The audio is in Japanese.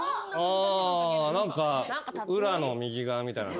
何か浦の右側みたいな。